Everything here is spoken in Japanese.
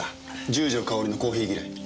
十条かおりのコーヒー嫌い。